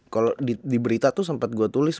kalau di berita tuh sempat gue tulis